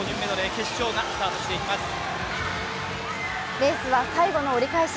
レースは最後の折り返し。